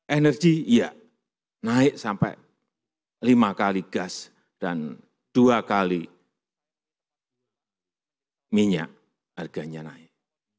energi iya naik sampai lima kali gas dan dua kali minyak harganya naik